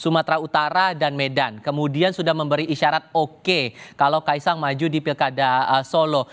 sumatera utara dan medan kemudian sudah memberi isyarat oke kalau kaisang maju di pilkada solo